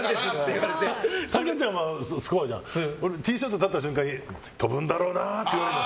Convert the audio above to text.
俺、ティーショットに立った瞬間、飛ぶんだろうなって。